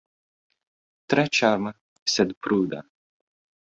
Tre ĉarma, sed pruda.